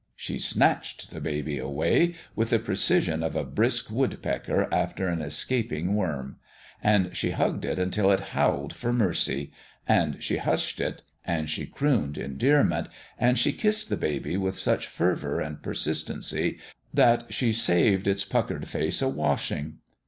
She snatched the baby away, with the precision of a brisk woodpecker after an escaping worm ; and she hugged it until it howled for mercy and she hushed it and she crooned endearment and she kissed the baby with such fervour and persistency that she saved its puckered face a washing.